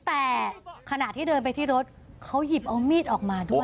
แต่ขณะที่เดินไปที่รถเขาหยิบเอามีดออกมาด้วย